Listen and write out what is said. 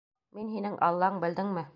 Мин һинең Аллаң, белдеңме?